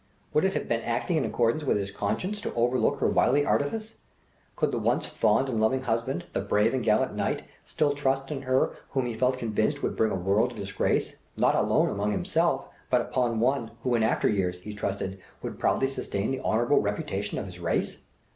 Would it have been acting in accordance with his conscience to overlook her wily artifice? Could the once fond and loving husband, the brave and gallant knight, still trust in her whom he felt convinced would bring a world of disgrace, not alone upon himself, but upon one who in after years, he trusted, would proudly sustain the honourable reputation of his race?